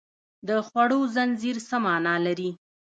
د خوړو زنځیر څه مانا لري